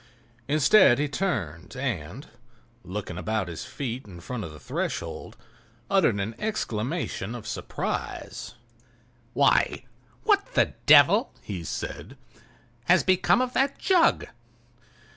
Instead he turned and, looking about his feet in front of the threshold, uttered an exclamation of surprise. "Why!—what the devil," he said, "has become of that jug?"